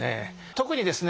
特にですね